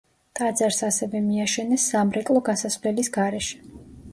ტაძარს ასევე მიაშენეს სამრეკლო გასასვლელის გარეშე.